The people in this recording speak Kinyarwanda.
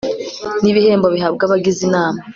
n ibihembo bihabwa abagize Inama